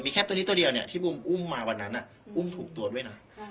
แค่ตัวนี้ตัวเดียวเนี่ยที่บูมอุ้มมาวันนั้นอุ้มถูกตัวด้วยนะ